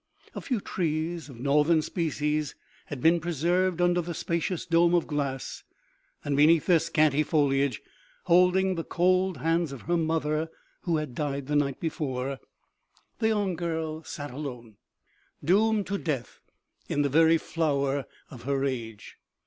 A few trees, of northern species, had been preserved under the spacious dome of glass, and beneath their scanty foliage, holding the cold hands of her mother who had died the night before, the young 249 250 OMEGA. girl sat alone, doomed to death in the very flower of her age.